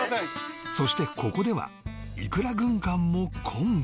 そしてここではいくら軍艦も昆布